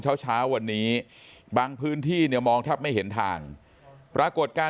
เช้าเช้าวันนี้บางพื้นที่เนี่ยมองแทบไม่เห็นทางปรากฏการณ์